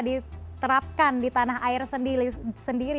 diterapkan di tanah air sendiri